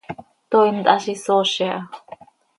Toii nt hazi soozi aha.